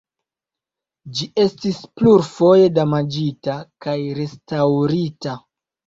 Ĝi estis plurfoje damaĝita kaj restaŭrita.